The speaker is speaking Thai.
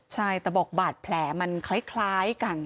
ใช่แต่บอกบาดแผลมันคล้ายกัน